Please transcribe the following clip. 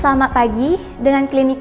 selamat pagi dengan klinik